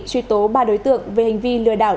truy tố ba đối tượng về hành vi lừa đảo